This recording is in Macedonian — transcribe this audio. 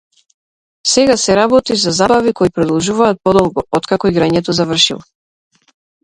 Сега се работи за забави кои продолжуваат долго откако играњето завршило.